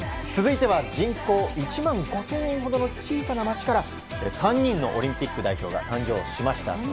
続いては人口１万５０００人ほどの小さな町から３人のオリンピック代表が誕生しました。